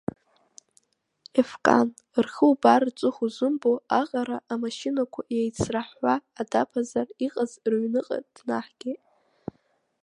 Ефкан, рхы убар рҵыхәа узымбо аҟара амашьынақәа иеицрахәхәа, Адаԥазар иҟаз рыҩныҟа днаҳгеит.